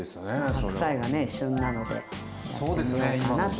白菜がね旬なのでやってみようかなと。